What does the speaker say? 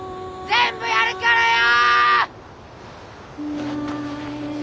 全部やるからよ！